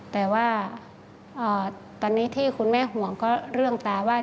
แต่ว่าตอนนี้ที่คุณแม่ห่วงก็เรื่องตาว่า